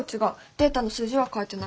データの数字は変えてない。